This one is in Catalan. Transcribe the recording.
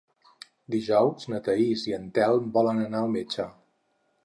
Dijous na Thaís i en Telm volen anar al metge.